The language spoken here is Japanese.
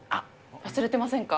忘れてませんか？